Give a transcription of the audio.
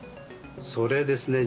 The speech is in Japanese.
それですね